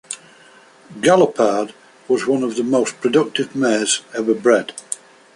Galopade was one of the most productive mares ever bred.